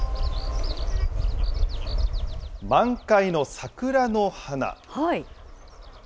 満開の桜の花。